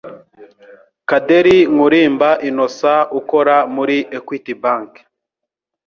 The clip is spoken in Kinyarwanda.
Kaderi Nkurimba Innocent ukora muri Equity Bank